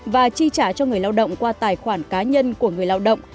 và chi trả cho người lao động qua tài khoản cá nhân của người lao động